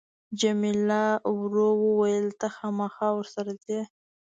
جميله ورو وویل ته خامخا ورسره ځې.